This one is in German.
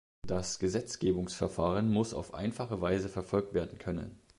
Das Gesetzgebungsverfahren muss auf einfache Weise verfolgt werden können.